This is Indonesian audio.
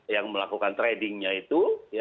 yang melakukan tradingnya itu